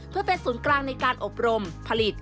เพื่อเป็นศูนย์กลางในการอบรมผลิต